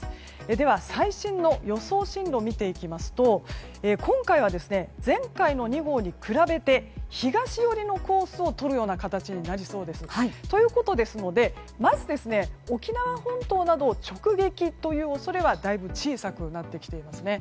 では、最新の予想進路を見ていきますと今回は前回の２号に比べて東寄りのコースをとるような形になりそうです。ということですのでまず沖縄本島などを直撃という恐れはだいぶ小さくなってきています。